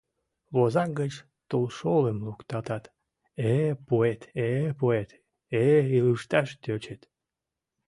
Возак гыч тулшолым луктатат, э-э пуэт, э-э пуэт, э-э ылыжташ тӧчет.